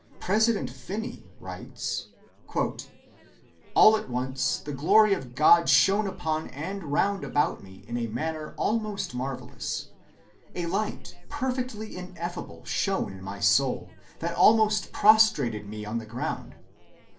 President Finney writes:— "All at once the glory of God shone upon and round about me in a manner almost marvelous.... A light perfectly ineffable shone in my soul, that almost prostrated me on the ground....